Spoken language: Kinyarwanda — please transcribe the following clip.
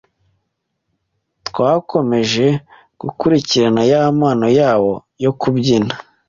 twakomeje gukurikirana ya Mpano yabo yo kubyina